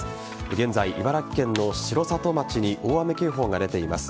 現在、茨城県の城里町に大雨警報が出ています。